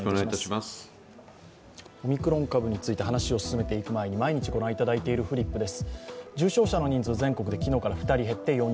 オミクロン株に話を進めていく前に毎日御覧いただいているフリップです。